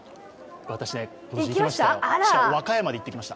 私、今年行きました。